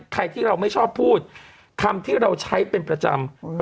ใครที่เราไม่ชอบพูดคำที่เราใช้เป็นประจำ